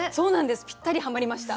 ぴったりはまりました。